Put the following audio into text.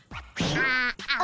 ああ。